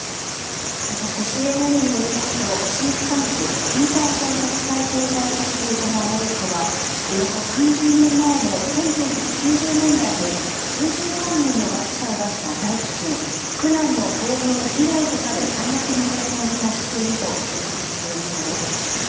そして、ＣＮＮによりますとシンクタンクピーターソン国際経済研究所のアナリストはおよそ３０年前の１９９０年代に数十万人の餓死者を出した大飢きん、苦難の行軍以来の最悪の状況に達していると分析しているそうです。